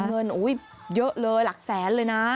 เงินเยอะเลยหลักแสนเลยนะ